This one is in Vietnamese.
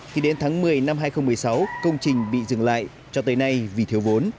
thì đến tháng một mươi năm hai nghìn một mươi sáu công trình bị dừng lại cho tới nay vì thiếu vốn